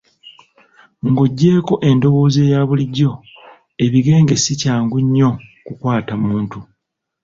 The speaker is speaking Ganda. Ng'oggyeeko endowooza eya bulijjo, ebigenge si kyangu nnyo kukwata muntu